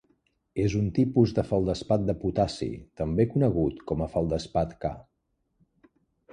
És un tipus de feldespat de potassi, també conegut com a feldespat K.